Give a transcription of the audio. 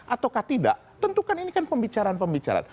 atau tidak tentukan ini kan pembicaraan pembicaraan